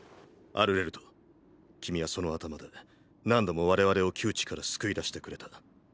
アルレルト君はその頭で何度も我々を窮地から救い出してくれた。